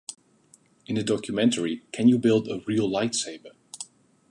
In the documentary "Can you build a real lightsaber"?